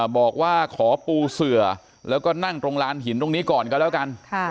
บอกว่าขอปูเสือแล้วก็นั่งตรงลานหินตรงนี้ก่อนก็แล้วกัน